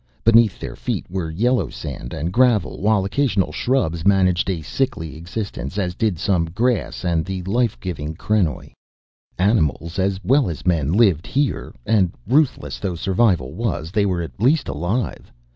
Beneath their feet were yellow sand and gravel, while occasional shrubs managed a sickly existence as did some grass and the life giving krenoj. Animals as well as men lived here and, ruthless though survival was, they were at least alive.